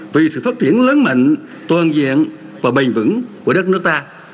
vì sự phát triển lớn mạnh toàn diện và bền vững của đất nước ta